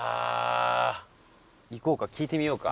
行こうか聞いてみようか。